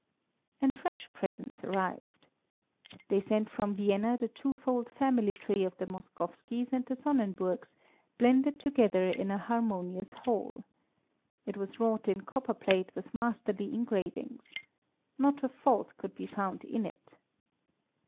And fresh presents arrived. They sent from Vienna the twofold family tree of the Moskowskis and the Sonnenburgs, blended together in a harmonious whole. It was wrought in copper plate with masterly engravings. Not a fault could be found in it.